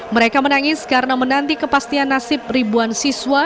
mereka menangis karena menanti kepastian nasib ribuan siswa